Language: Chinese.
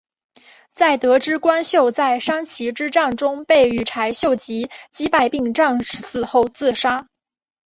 在得知光秀在山崎之战中被羽柴秀吉击败并战死后自杀。